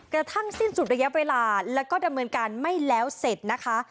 กระทั่งสิ้นสุดระยะเวลาแล้วก็ดำเนินการไม่แล้วเสร็จนะคะ